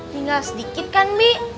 tinggal sedikit kan mi